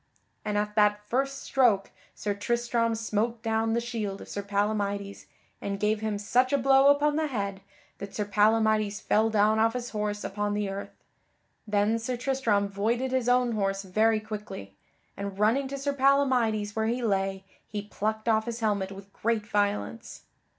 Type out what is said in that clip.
And at that first stroke Sir Tristram smote down the shield of Sir Palamydes, and gave him such a blow upon the head that Sir Palamydes fell down off his horse upon the earth. Then Sir Tristram voided his own horse very quickly, and running to Sir Palamydes where he lay he plucked off his helmet with great violence.